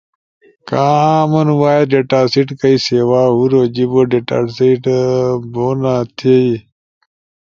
کامن وائس ڈیٹاسیٹ کئی سیوا ہورو جیبو ڈیٹاسیٹ ہونا تھئی۔